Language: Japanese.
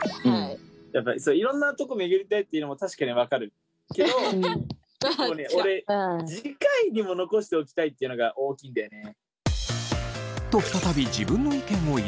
いろんな所巡りたいっていうのも確かに分かるけど俺次回にも残しておきたいっていうのが大きいんだよね。